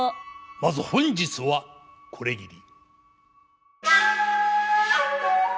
まず本日はこれぎり。